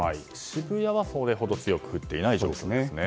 渋谷はそれほど強く降っていない状況ですね。